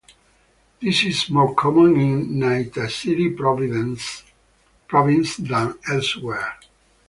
This is more common in Naitasiri Province than elsewhere.